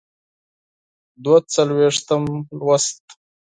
دوه څلویښتم لوست.